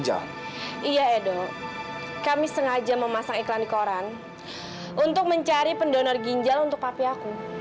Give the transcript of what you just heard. iya edo kami sengaja memasang iklan di koran untuk mencari pendonor ginjal untuk papiaku